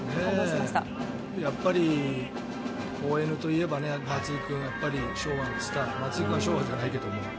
やっぱりＯＮといえば松井君昭和のスター松井君は昭和じゃないけど。